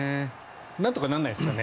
なんとかならないですかね。